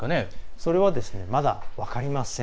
それはまだ分かりません。